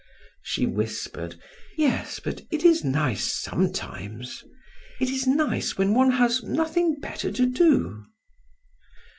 She whispered: "Yes, but it is nice sometimes! It is nice when one has nothing better to do."